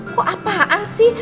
kok apaan sih